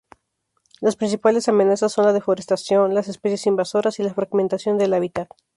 Las principales amenazas son la deforestación, las especies invasoras y la fragmentación del hábitat.